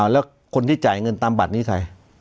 แล้วคนที่จ่ายเงินตามบัตรนี้ใคร